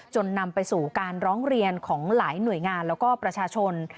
นำไปสู่การร้องเรียนของหลายหน่วยงานแล้วก็ประชาชน